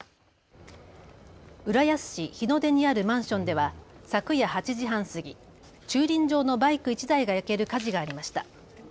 浦安市日の出にあるマンションでは昨夜８時半過ぎ駐輪場のバイク１台が焼ける火事がありました。